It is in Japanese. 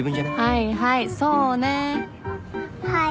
はいはいそうね。